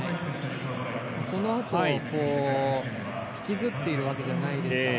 そのあと引きずっているわけじゃないですから。